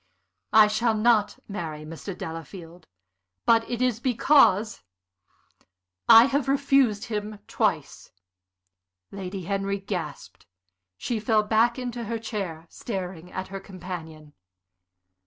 "I shall not marry Mr. Delafield. But it is because I have refused him twice." Lady Henry gasped. She fell back into her chair, staring at her companion.